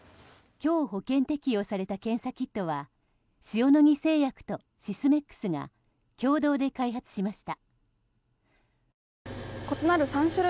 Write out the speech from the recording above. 今日、保険適用された検査キットは塩野義製薬とシスメックスが共同で開発しました。